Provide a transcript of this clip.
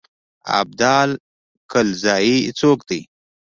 ابدال کلزايي څوک دی.